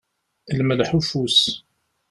Lmelḥ n ufus.